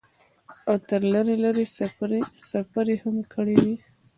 او تر لرې لرې سفرې هم کړي دي ۔